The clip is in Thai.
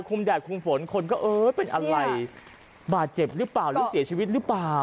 คลุมแดดคลุมฝนคนก็เออเป็นอะไรนี่แหละบาดเจ็บรึเปล่าหรือเสียชีวิตรึเปล่า